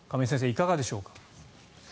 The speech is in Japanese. いかがでしょうか。